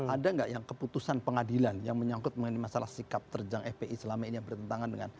ada nggak yang keputusan pengadilan yang menyangkut mengenai masalah sikap terjang fpi selama ini yang bertentangan dengan